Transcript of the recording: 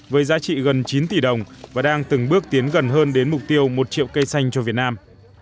với giá trị gần chín tỷ đồng và đang từng bước tiến gần hơn đến mục tiêu một triệu cây xanh cho việt nam